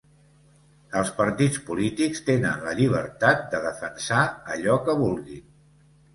Els partits polítics tenen la llibertat de defensar allò que vulguin.